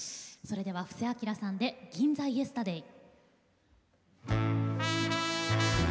それでは布施明さんで「銀座イエスタデイ」。